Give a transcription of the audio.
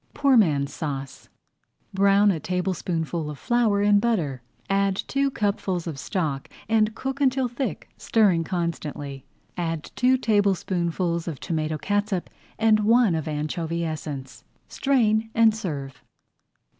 POOR MAN'S SAUCE Brown a tablespoonful of flour in butter, add two cupfuls of stock, and cook until thick, stirring constantly. Add two tablespoonfuls of tomato catsup and one of anchovy essence. Strain and serve.